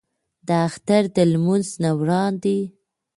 د اختر د لمونځ نه وړاندې